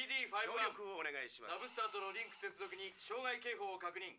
ナブスターとのリンク接続に障害警報を確認。